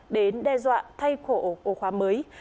đến đe dọa thay khổ ổ khóa mới